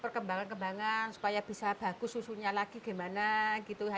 perkembangan kembangan supaya bisa bagus susunya lagi gimana gitu